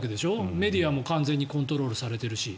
メディアも完全にコントロールされてるし。